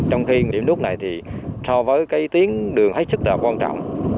trong khi điểm nút này thì so với cái tuyến đường hết sức là quan trọng